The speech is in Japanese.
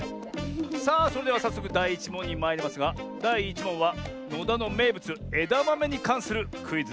さあそれではさっそくだい１もんにまいりますがだい１もんはのだのめいぶつえだまめにかんするクイズです。